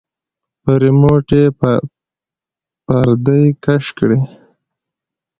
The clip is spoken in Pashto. په رېموټ يې پردې کش کړې.